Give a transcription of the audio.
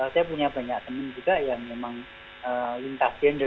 saya punya banyak teman juga yang memang lintas gender